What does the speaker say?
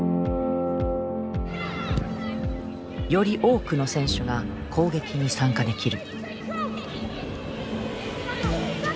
より多くの選手が攻撃に参加できる。